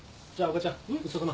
ごちそうさま。